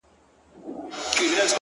• ښکاري زرکه هم په نورو پسي ولاړه ,